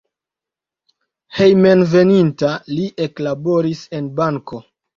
Hejmenveninta li eklaboris en banko.